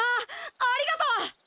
ありがとう！